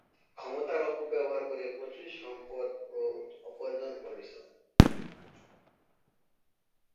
ক্ষমতার অপব্যবহার করে প্রচুর সম্পদ-ও উপার্জন করেছেন।